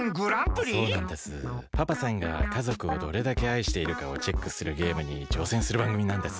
パパさんが家族をどれだけ愛しているかをチェックするゲームにちょうせんするばんぐみなんです。